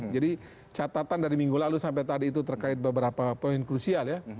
jadi catatan dari minggu lalu sampai tadi itu terkait beberapa poin krusial ya